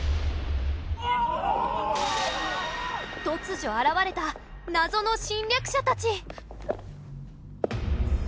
突如現れた謎の侵略者たち。